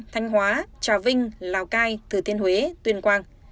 thanh hóa trà vinh lào cai thừa thiên huế tuyên quang